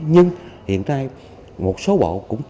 nhưng hiện nay một số bộ cũng chưa